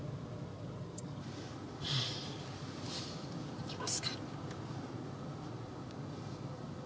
行きますか。